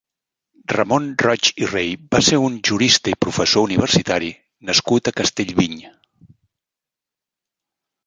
Ramon Roig i Rey va ser un jurista i professor universitari nascut a Castellviny.